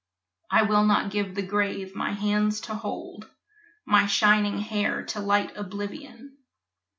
I will not give the grave my hands to hold, My shining hair to light oblivion.